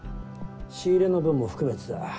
仕入れの分も含めてさ。